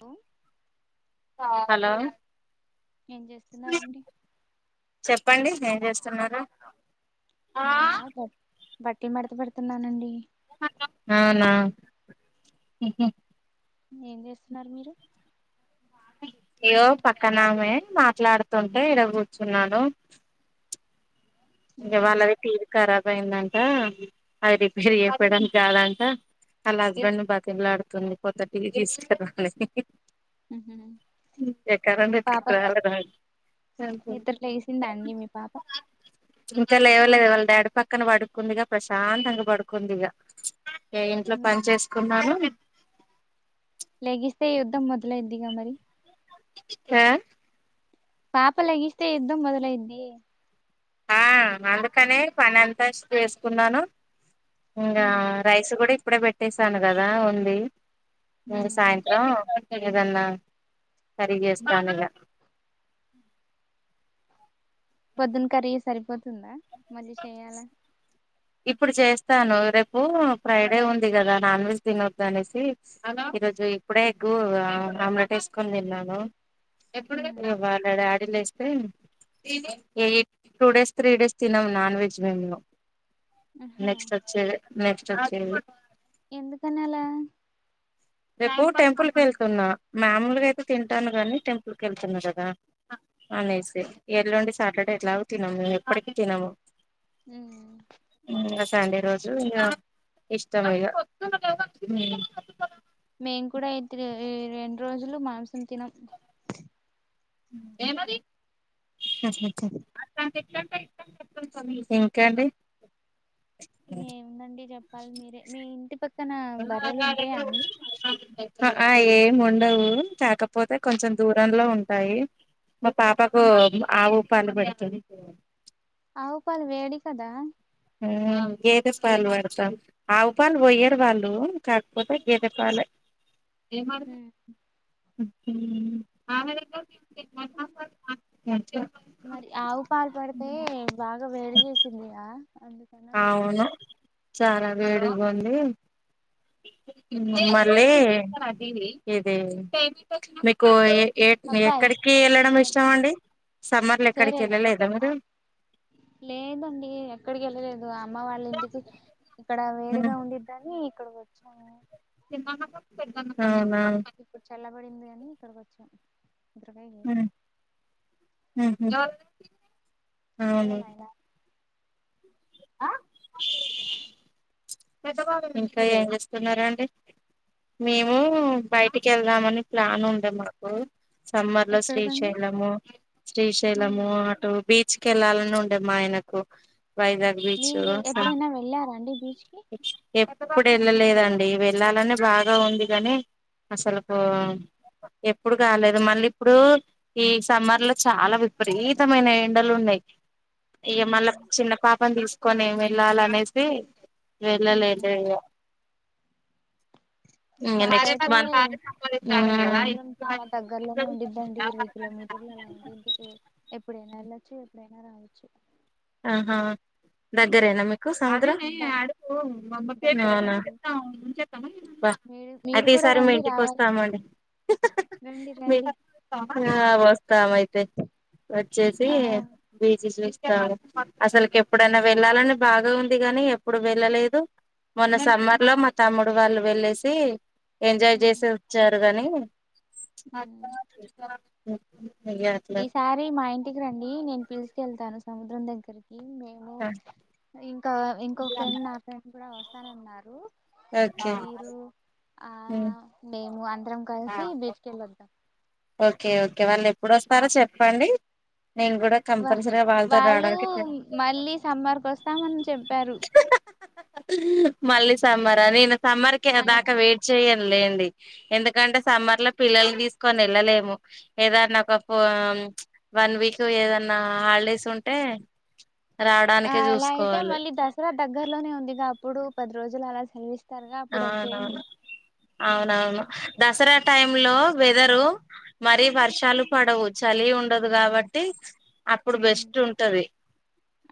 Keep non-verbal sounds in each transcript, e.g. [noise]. Hello hello ఏం చేస్తున్నారండి చెప్పండి ఏం చేస్తున్నారు నేనా బ బట్టలు మడత పెడుతున్నానండి అవునా ఉహు ఏం చేస్తున్నారు మీరు అయ్యో పక్కనమే మాట్లాడుతుంటే ఇడ కూర్చున్నాను ఇంకా వాళ్ళది టీవీ కరాబ్ అయిందంట అవి రిపేర్ చెపియడానికి కాదంట వాళ్ళ హస్బెండ్ ని బతిమీలాడుతుందీ కొత్త టివి తీసుకురా అని మీ పాప [unintelligible] నిద్ర లేసిందా అండి మీ పాప ఇంకా లేవలేదు వాళ్ళ డాడీ పక్కన పడుకుంది గా ప్రశాంతంగా పడుకుంది ఇగ ఏ ఇంట్లో పని ఉమ్. చేసుకున్నాను లెగిస్తే యుద్ధం మొదలైద్దిగా మరి ఆ పాప లేగిస్తే యుద్ధం మొదలైద్ది ఆ అందుకనే పని అంతా చేసుకున్నాను ఇంకా ఉమ్, రైస్ కూడా ఇప్పుడే పెట్టేసాను కదా ఉంది ఇంగ ఉమ్. సాయంత్రం ఏదన్నా కర్రి చేసుకోవాలి ఇగ పొద్దున కర్రీ సరిపోతుందా మళ్ళీ చెయ్యాలా ఇప్పుడు చేస్తాను రేపు ఫ్రైడే ఉంది కదా నాన్ వెజ్ తినొద్దు అనేసి ఈరోజు ఇప్పుడే ఎగ్ ఆమ్లెట్ వేసుకొని తిన్నాను ఇగ ఉమ్, వాళ్ళ డాడీ లేసి eight two days three days తినము నాన్ వెజ్ మేము ఆహా నెక్స్ట్ వచ్చేదే నెక్స్ట్ వచ్చేదే ఎందుకని అలా రేపు టెంపుల్ వెళ్తున్నా మాముూలుగా అయితే తింటాను గానీ టెంపుల్ కి వెళ్తున్నా కదా అనేసి ఎల్లుండి సాటర్డే ఎట్లాగో తినము మేము ఎప్పటికి తినము ఊ ఇంగ సండే రోజు ఇంగ ఇష్టం ఇగ హు మేము కూడా అయితే ఈ రెండు రోజులు మాంసం తినం ఏమది ఇంకేంటి ఏముందండి చెప్పాలి మీరే మీ ఇంటి పక్క [unintelligible] ఆ ఆ ఏం ఉండవు కాకపోతే కొంచెం దూరంలో ఉంటాయి మా పాపకు ఆవు పాలు పెడుతుంది అవు పాలు వేడి కదా ఊ గేదె పాలు పాడుతాం ఆవు పాలు పోయ్యారు వాళ్ళు కాకపోతే గేదె పాలు ఉ ఉహు [inaudible] మరి ఆవు పాలు పడితే బాగా వేడి చేసిందిగా అందుకనీ అడుగుతున్న అవును చాలా వేడిగా ఉంది ఊ మరీ ఇది మీకు ఏ ఏ అబ్బాయి ఎక్కడికి వెళ్ళడం ఇష్టం మున్నబ్బాయి అండి సమ్మర్ లో ఎక్కడికి సేరేలే వెళ్ళలేదా మీరు లేదండి ఎక్కడికి వెళ్ళలేదు అమ్మ వాళ్ళ ఇంటికి ఇక్కడ వేడిగా ఉండిద్దని ఇక్కడకు వచ్చినాము అవును ఇప్పుడు చల్లబడింది అని ఇక్కడికి వచ్చాం [inaudible] ఉహు సరలయలా ఆ ఇంకా ఏం చేస్తున్నారాండి మేము బటికి వెళ్దామని ప్లాన్ ఉండే మాకు సమ్మర్ లో ఎక్కడికండి శ్రీశైలము శ్రీశైలము అటు బీచ్ బీచ్కి వెళ్ళాలని ఉండే మా ఆయనకు వైజాగ్ బీచ్ మీరు స ఎప్పుడైనా వెళ్ళారా అండి బీచ్కి ఎప్పుడు వెళ్ళలేదండి వెళ్ళాలని బాగా ఉంది గానీ అసలుకు ఎప్పుడు కాలేదు మళ్ళీ ఇప్పుడు ఈ సమ్మర్ లో చాలా విపరీతమైన ఎండలు ఉన్నాయి ఇగ మళ్ళ చిన్న పాప నీ తీసుకొని ఏమి వెళ్ళాల అనేసి వెళ్ళ లేదు ఇగ ఇంగ నెక్స్ట్ మాకైతే మంత్ సముద్రం చాలా దగ్గరలోనే ఉండిద్దండి ఇరవై కిలోమీటర్లలా ఉండిద్ది కి ఎప్పుడనాళచ్చ ఎప్పుడన్న రాచ్చు ఆహా దగ్గరే న మీ కు సముద్రం ద అవునా దగ్గరేనండి బా మీరు మీరు అయితే ఇస్ కూడా సరే మీ రండి ఇంటికి రావాలి వస్తామండి రండి రండి ఆ వస్తాం అయితే వచ్చేసి ఆ బీచ్ చూస్ అసలుకి ఎప్పుడైనా వెళ్ళాలని బాగా ఉంది గాని ఎప్పుడు వెళ్ళలేదు మొన్న సమ్మర్ లో మా తమ్ముడు వాళ్ళు వెళ్ళేసి ఎంజాయ్ చేసి ఉమ్, వచ్చారు కానీ ఉమ్. ఈసారి మా ఇంటికి రండి నేను పిలుసుెళ్తాను సముద్రం దగ్గర కి ఉ మేము ఇంకా ఇంకో ఫ్రెండ్ నా ఫ్రెండ్ కూడా వస్తానన్నారు ఓకే మీరు ఆ మేము అందరం కలిసి బీచ్ కి వెళ్లొద్దాం ఓకే ఓకే వాళ్ళు ఎప్పుడు వస్తారో చెప్పండి నేను కూడా వా కంపల్సరరిగా వాళ్ళతో వాళ్ళు రాడానికి ట్రై మళ్ళీ సమ్మర్కి వస్తామని చెప్పారు మళ్ళీ సమ్మరా నేను సమ్మర్ కె ఆ దాక ఇప్పుడు వెయిట్ చెయన్ లేండి ఎందుకంటే సమ్మర్ లో పిల్లలు తీసుకోనీ వెళ్ళలేము ఏదన్నా ఒక ఫో వన్ వీక్ ఏదన్నా హాలిడేస్ ఉంటే ఆ రావడానికే అలా అయితే చూసుకోవాలి మళ్ళీ దసరా దగ్గర్లోనే ఉందిగా అప్పుడు పది రోజులు అలా సెలవిస్ అవునవును అవునవును దసరా టైమ్ లో వెదరు మరి వర్షాలు పడవు చలి ఉండదు కాబట్టి అప్పుడు ఉమ్ బెస్ట్ ఉంటది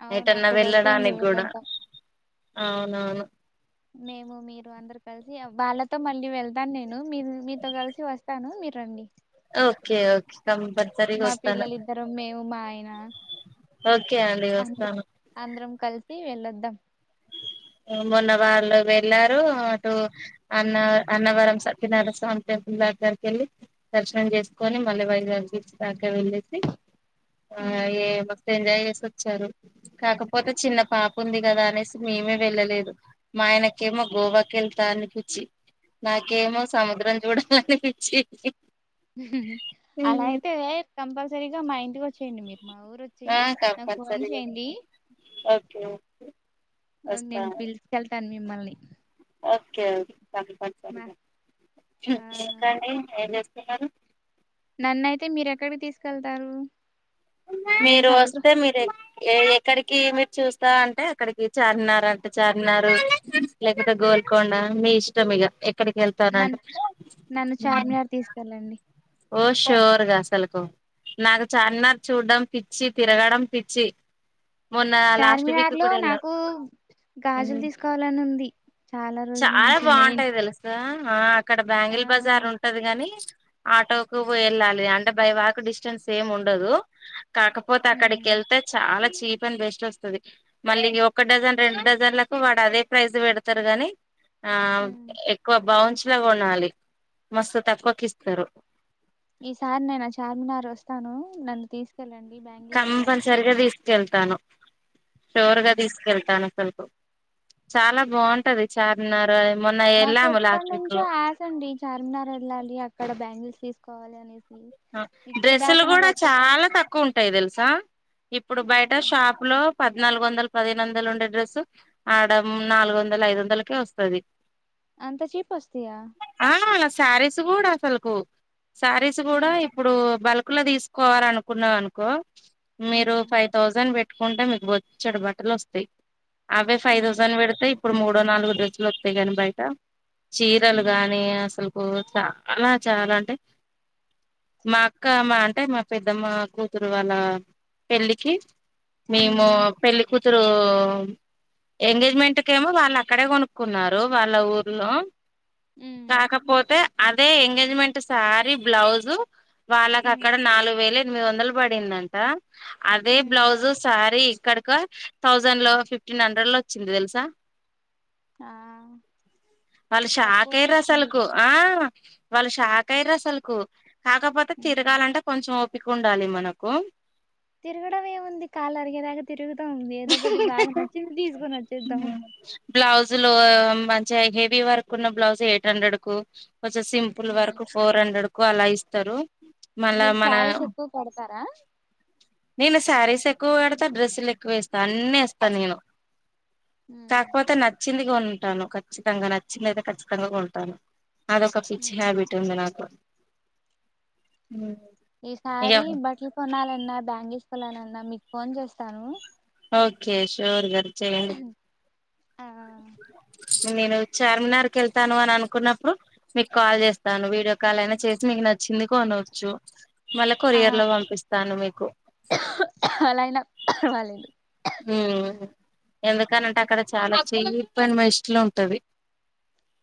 అవును ఎటన్నా అప్పుడు వచ్చేయండి వెళ్ళడానికి గూడా వెళ్ళొద్దాం అవునవును మేము మీరు అందరు కలిసి వాళ్ళతో మళ్ళీ వెళ్తాను నేను మీ మీతో కలిసి వస్తాను మీరు రండి ఓకే ఓకే కంపల్సరీగా మా వస్తాను పిల్లలు ఇద్దరం మేము మా ఆయన ఓకే అండి అందు వస్తాను అందరం కలిసి వెళ్ళొద్దాం మొన్న వాళ్ళు వెళ్ళారు అటు అన్న అన్నవరం సత్యనారాయ స్వామి టెంపుల్ దగ్గరికి వెళ్ళి దర్శనం చేసుకొని మళ్ళీ వైజాగ్ బీచ్ దాకా వెళ్ళేసి ఆ ఏ ఉమ్, మస్తు ఎంజాయ్ చేసి వచ్చారు కాకపోతే చిన్న పాపపూఉంది కదా అనేసి మేమే వెళ్ళలేదు మా ఆయనకేమో గోవాకి వెళ్తా అనిపించి నాకేమో ఉమ్. సముద్రం చూడాలనిపించి అలా అయితే కంపల్సరీగా మా ఇంటికి వచ్చేయండి మీరు మా ఊరు వచ్చి ఆ నాకు ఫోన్ కంపల్సరిగా చేయండి ఓకే ఓకే ఓ నేను పిలుచకెళ్తాను మిమ్మల్ని ఓకే ఓకే మా కంపల్సరిగా ఆ ఇంకా అండి ఏం చేస్తున్నారు నన్నయితే మీర ఎక్కడికి తీసుకెళ్తారు నేను మీరు సముద్రం వస్తే మీరు ఏ క్ ఏఏ క్కడికి మీరు చూస్తా అంటే అక్కడికి చార్ినార్ అంటే చార్ినార్ లేకపోతే గోల్కొండ మీ ఇష్టం ఇగ నన్ ఎక్కడికేళ్తారంటే నన్ను మ్ చార్మినార్ తీసుకెళ్ళండి ఓ ష్యూర్ గా అసలుకు నాకు చార్మినార్ చూడ్డం పిచ్చి తిరగడం పిచ్చి మొన్న లాస్ట్ వీక్ చార్మివార్ లో కూడా నాకు వెళ్ళాం గాజులు తీసుకోవాలని ఉంది చాలా రోజుల చాలా నుంచి నేను బాగుంటాయి తెలుసా ఆ అక్కడ ఆ బ్యాంగిల్ బజార్ ఉంటది గాని ఆటోకు వెళ్ళాలి అంటే బై వాక్ డిస్టెన్స్ ఏం ఉండదు కాకపోతే హ్మ్ అక్కడికేళ్తే చాలా చి చీప్ అండ్ బెస్ట్ వస్తది మళ్ళీ ఒక డజన్ రెండు డజన్లకు వాడు అదే ప్రైస్ పెడుతడు గాని ఆ ఎక్కువ బావుంచ్ ట్లా కొనాలి మస్తు తక్కువకిస్తారు ఈసారి నేను ఆ చార్మినార్ ఒస్తాను నన్ను తీస్ కంపల్సరిగా తీసుకెళ్తాను షోర్ గా ఉమ్. తీసుకెళ్తాను అసల్ చాలా బాగుంటది చార్మినార్ మొన్న నాకు వెళ్ళాము లాస్ట్ వీక్ లో ఎప్పనుంచో ఆశ అండి చార్మినార్ వెళ్ళాలి అక్కడ బ్యాంగిల్స్ తీసుకోవాలి అనే డ్రెస్సులు కూడా చాలా తక్కువ ఉంటాయి తెలుసా ఇప్పుడు బయట ఆహా. షాపు లో పద్నాలుగు వందలు పదిహేను వందలు ఉండే డ్రెస్సు ఆడ నాలుగు వందల ఐదు వందలకే వస్తది అంత చీపోస్తయా సారిీస్ కూడా అసలు కు సారిీస్ కూడా హ్మ్ ఇప్పుడు బల్క్ లో తీసుకోవాల అనుకున్నాం అనుకో మీరు హ్మ్ ఫైవ్ థౌజండ్ పెట్ ట్కుంటే మీకు బొచ్చెడు బట్టలోస్తాయ్ అవే ఫైవ్ థౌజండ్ హ్మ్ పెడితేా ఇప్పుడు మూడో నాలుగు డ్రెసులోస్తాయ్ గనీ బయట చీరలు గానీ అసలుకు చాలా చాలా అంటే మా అక్క మ అంటే మా పెద్దమ్మ కూతురు వాళ్ళ పెళ్ళికి మేము హ్మ్ పెళ్లిికుతురు ఎంగేజ్మెంట్ కేమో వాళ్ళు అక్కడే కొనుక్కున్నారు వాళ్ళ ఊర్లో హ్మ్ కాకపోతే అదే ఎంగేజ్మెంట్ సారీ బ్లౌజు వాళ్ళకి అక్కడ హ్మ్ నాలుగు వేల ఎనిమిది వందలు పడిందంట అదే బ్లౌజు శారీ ఇక్ ఇక్కడకో థౌజండ్ లో ఫిఫ్టీన్ హండ్రెడ్ లో వచ్చింది తెలుసా ఆ వాళ్ళు షాక్ తక్కువలో అయిర్రు అసలుకు వచ్చిందిగా ఆ వాళ్ళు షాక్ అయిర్రాసలుకు కాకపోతే హ్మ్ తిరగాంటే కొంచెం ఒ పీకుండాలి మనకు తిరగడం ఏముంది కాలు అరిగేదాకా తిరుగు వచ్చేద్దాం బ్లాౌజ్ లో మంచిగ హెవీ వరకు ఉన్న బ్లౌజ్ ఎయిట్ హండ్రెడ్ కు కొంచెం సింపుల్ హ్మ్ వరకు ఫోర్ హండ్రెడ్ క్కు అలా ఇస్తారు మళ్ళా మీరు మన శారీస్ ఎక్కువ కడుతారా నేను శారీస్ ఎక్కువ కడుతా డ్రెస్సులేక్కువ వేస్తా అన్ని వేస్తా నేను హ్మ్ కాకపోతే నచ్చింది కొంటాను ఖచ్చితంగా నచ్చింది అయితే ఖచ్చితంగా కొంటాను అదొక పిచ్చి హ్యాబిట్ ఉంది నాకు ఇక ఈసారి బట్టలు కొనాలన్నా బ్యాంగీస్ కొనాలన్నా మీకు ఫోన్ చేస్తాను ఓకే ష్యూర్ గ చెయండి ఆ నేను చార్మినార్ కేళ్తాను అని అనుకున్నప్పుడు మీకు కాల్ చేస్తాను వీడియో కాల్ అయినా చేసిి మీకు నచ్చింది కొనోచ్చు మళ్ళా కొరియర్ ఆహా, లో పంపిస్తాను మీకు అలా అయినా పర్వాలేదు మ్ ఎందుకనంటే అక్కడ చాలా చేయపోయిన మయిష్ట్ లో ఉంటది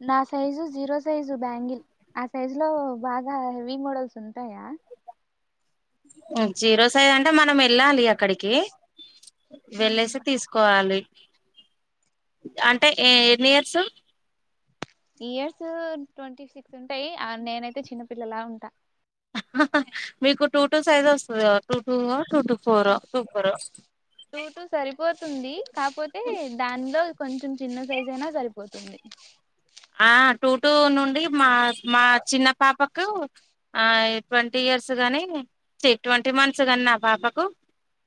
నా సైజు జీరో సైజు బ్యాంగిల్ ఆ సైజు లో బాగా హెవీ మోడల్స్ ఉంటాయా జీరో సైజ్ అంటే మనం వెళ్ళాలి అక్కడికి హ్మ్ వెళ్ళసి తీసుకోవాలి అంటే ఎన్ని ఇయర్సు ఇయర్స్ ట్వంటీ సిక్స్ ఉంటాయి నేనైతే చిన్నపిల్లలా ఉంటా మీకు టూ టూ సైజ్ వస్తది గావ టూ టూ వో టూ టూ ఫోరో టూ ఫోరో టూ టూ సరిపోతుంది కాకపోతే దానిలో కొంచెం చిన్న సైజ్ అయినా సరిపోతుంది ఆ టూ టూ నుండి మా మా చిన్న పాపకు ఆ ట్వంటీ ఇయర్స్ గాని ఛీ ట్వంటీ మంత్స్ గాని నా పాపకు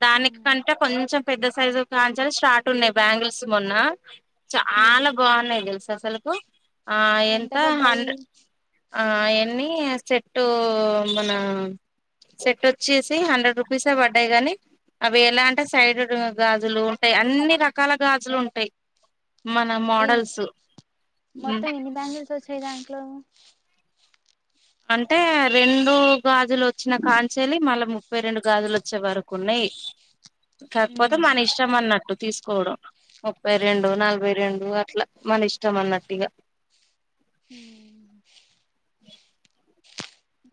దాని కంటే కొంచెం పెద్ద సైజు కాంచెల స్టార్ట్ ఉన్నాయి బ్యాంగిల్స్ మొన్న చాలా బావున్నాయి తెలుసా అసలుకు ఆ ఎంత హండ్రె ఆ ఎన్ని సెటూ మన సెట్ వచ్చేసి హండ్రెడ్ రూపీసే పడ్డాయి గాని అవి ఎలా అంటే సైడ్ గాజులు ఉంటాయి అన్ని రకాల గాజులు ఉంటాయి మన ఏ మోడల్స్ ఉమ్ మొత్తం ఇన్ని బ్యాంకుల్స్ వచ్చాయి దాంట్లో అంటే రెండు గాజులు వచ్చిన కాంచెలి మళ్ళా ముప్పై రెండు గాజులు వచ్చే వరకు ఉన్నాయి కాకపోతే మన ఇష్టం అన్నట్టు తీసుకోవడం ముప్పై రెండు అదే నలభై రెండు అట్లా మన ఇష్టం అన్నట్టు ఇగ హ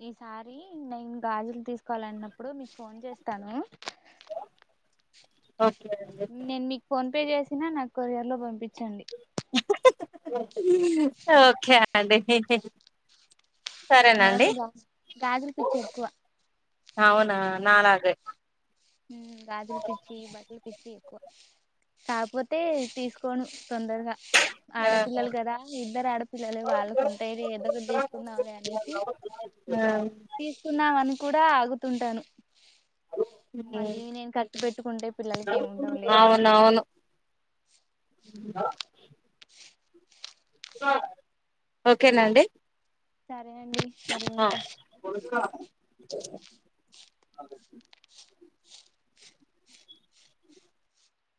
ఈసారి నేను గాజులు తీసుకోవలన్నప్పుడు మీకు ఫోన్ చేస్తాను ఓకే అండి నేను మీకు ఫోన్ పే చేసినా నాకు కొరియర్ లో పంపించండి ఓకే అండి సరేనండి నాకు గాజుల పిచ్చి ఎక్కువ అవునా నాలగే గాజుల పిచ్చి బట్టల పిచ్చి ఎక్కువ కాపోతే తీసుకోను తొందరగా ఆహా ఆడపిల్లలు కదా ఇద్దరు ఆడపిల్లలు వాళ్ళకు ఉంటయ్ ఎదో ఒకటి తీసుకుందాంలే తీసుకుందాం అని కూడా ఆగుతుంటాను మళ్ళీ నేను ఖర్చు పెట్టుకుంటే పిల్లలకి ఏముండవులే అని జే అవునవును ఆ ఓకేన అండి సరే అండి మరి అ ఉంటా